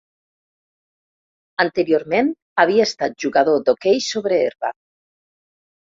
Anteriorment havia estat jugador d'hoquei sobre herba.